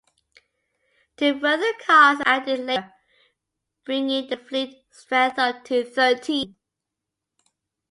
Two further cars were added later, bringing the fleet strength up to thirteen.